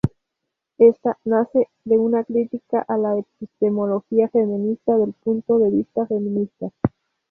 Ésta nace de una crítica a la epistemología feminista del punto de vista feminista.